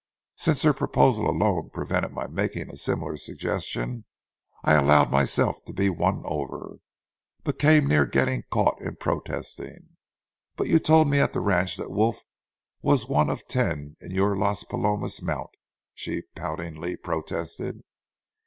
Since her proposal alone prevented my making a similar suggestion, I allowed myself to be won over, but came near getting caught in protesting. "But you told me at the ranch that Wolf was one of ten in your Las Palomas mount," she poutingly protested.